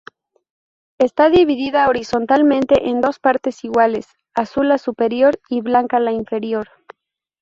Está dividida horizontalmente en dos partes iguales, azul la superior, y blanca la inferior.